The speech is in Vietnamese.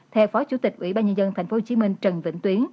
theo phó chủ tịch ủy ban nhân dân tp hcm trần vĩnh tuyến